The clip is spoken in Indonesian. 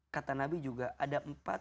kata nabi juga ada empat